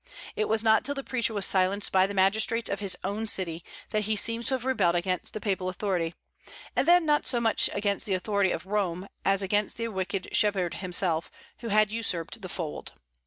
It was not till the preacher was silenced by the magistrates of his own city, that he seems to have rebelled against the papal authority; and then not so much against the authority of Rome as against the wicked shepherd himself, who had usurped the fold.